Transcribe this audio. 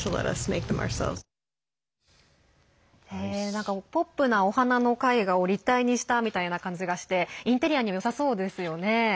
なんかポップなお花の絵画を立体にしたみたいな感じがしてインテリアにもよさそうですよね。